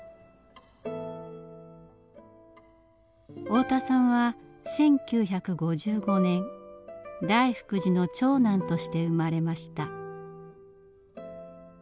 太田さんは１９５５年大福寺の長男として生まれました。